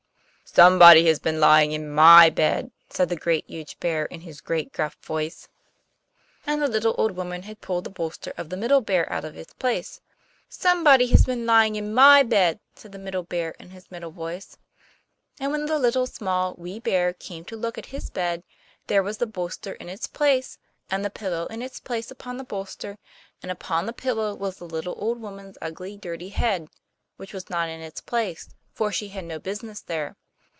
'SOMEBODY HAS BEEN LYING IN MY BED!' said the Great, Huge Bear, in his great, rough, gruff voice. And the little old woman had pulled the bolster of the Middle Bear out of its place. 'Somebody Has Been Lying In My Bed!' said the Middle Bear in his middle voice. And when the Little, Small, Wee Bear came to look at his bed, there was the bolster in its place, and the pillow in its place upon the bolster, and upon the pillow was the little old woman's ugly, dirty head, which was not in its place, for she had no business there.